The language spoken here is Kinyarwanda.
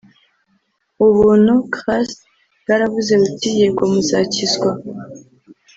Ubuntu (grace) bwaravuze buti Yego muzakizwa